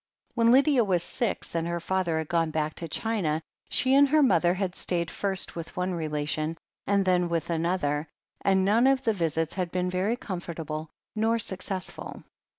When Lydia was six, and her father had gone back to China, she and her mother had stayed first with one relation and then with another, and none of the visits had been very comfortable nor successful.